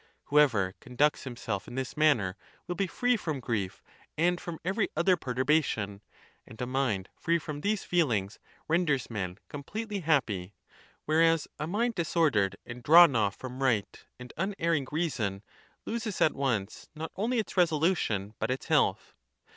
Who ever conducts himself in this manner will be free from grief, and from every other perturbation; and a mind free from these feelings renders men completely happy; where ON OTHER PERTURBATIONS OF THE MIND. 143 as a mind disordered and drawn off from right and un erring reason loses at once, not only its resolution, but its health.